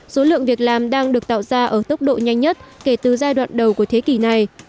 số lượng việc làm đang được tạo ra ở tốc độ nhanh nhất kể từ giai đoạn đầu của thế kỷ này